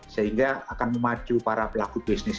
sehingga akan memacu para pelaku bisnis